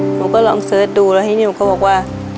หนูก็ลองเสิร์ชดูแล้วทีนี้หนูก็บอกว่า